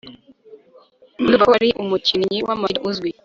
ndumva ko ari umukinnyi w'amafirime uzwi